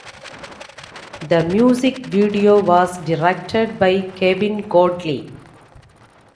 The music video was directed by Kevin Godley.